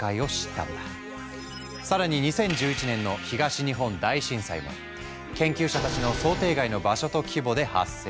更に２０１１年の東日本大震災も研究者たちの想定外の場所と規模で発生。